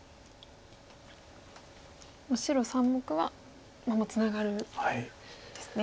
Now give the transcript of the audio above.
白３目はもうツナがるんですね。